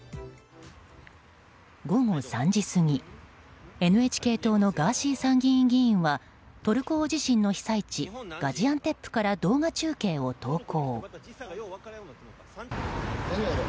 午後３時過ぎＮＨＫ党のガーシー参議院議員はトルコ大地震の被災地ガジアンテップから動画中継を投稿。